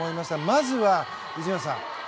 まずは、内村さん